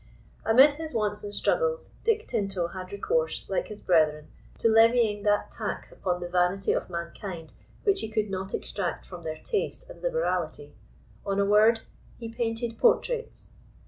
Amid his wants and struggles, Dick Tinto had recourse, like his brethren, to levying that tax upon the vanity of mankind which he could not extract from their taste and liberality—on a word, he painted portraits.